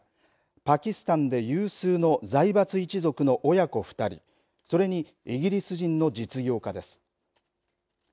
パキスタンで有数の財閥一族の親子２人それにイギリス人の実業家です。